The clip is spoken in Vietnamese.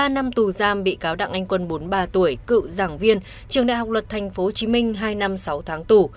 ba năm tù giam bị cáo đặng anh quân bốn mươi ba tuổi cựu giảng viên trường đại học luật tp hcm hai năm sáu tháng tù